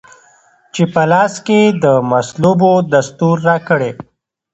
چي په لاس کې د مصلوبو دستور راکړی